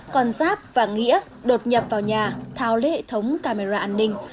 còn giáp và nghĩa đột nhập vào nhà tháo lấy hệ thống camera an ninh